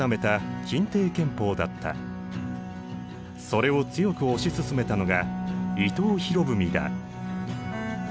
それを強く推し進めたのが伊藤博文だ。